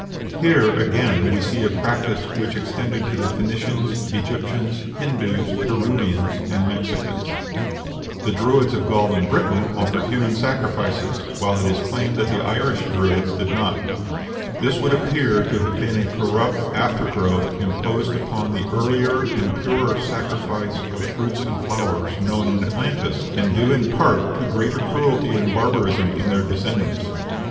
Here again we see a practice which extended to the Phoenicians, Egyptians, Hindoos, Peruvians, and Mexicans. The Druids of Gaul and Britain offered human sacrifices, while it is claimed that the Irish Druids did not. This would appear to have been a corrupt after growth imposed upon the earlier and purer sacrifice of fruits and flowers known in Atlantis, and due in part to greater cruelty and barbarism in their descendants.